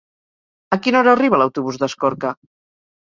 A quina hora arriba l'autobús d'Escorca?